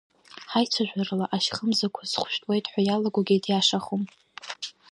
Ҳаицәажәарала ашьхымзақәа схәышәтәуеит ҳәа иалагогьы диашахом.